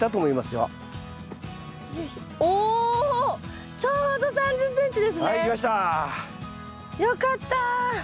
よかった！